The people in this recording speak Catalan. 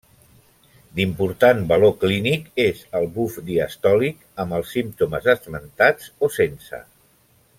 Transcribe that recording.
D'important valor clínic és el buf diastòlic amb els símptomes esmentats o sense.